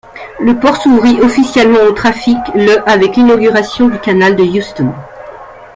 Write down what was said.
Le port s’ouvrit officiellement au trafic le avec l'inauguration du canal de Houston.